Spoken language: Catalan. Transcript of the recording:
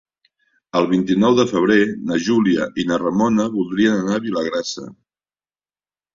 El vint-i-nou de febrer na Júlia i na Ramona voldrien anar a Vilagrassa.